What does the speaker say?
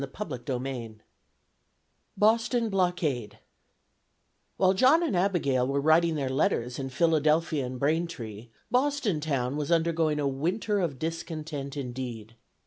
CHAPTER VI BOSTON BLOCKADE WHILE John and Abigail were writing their letters in Philadelphia and Braintree, Boston town was undergoing a winter of discontent indeed.